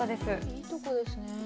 いいとこですね